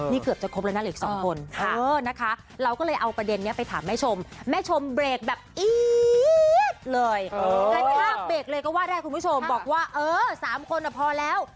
นี่เกือบกับเกือบจะคบเลย๒คนนั่นเลย